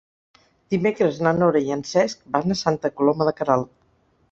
Dimecres na Nora i en Cesc van a Santa Coloma de Queralt.